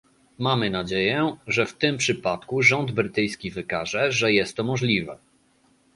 Mamy nadzieję, że w tym przypadku rząd brytyjski wykaże, że jest to możliwe